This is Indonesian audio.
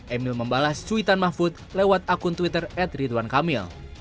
emil membalas cuitan mahfud lewat akun twitter at ridwan kamil